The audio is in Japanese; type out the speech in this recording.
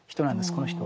この人は。